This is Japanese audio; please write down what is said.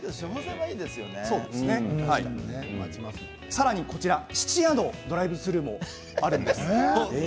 さらに質屋のドライブスルーもあるんです。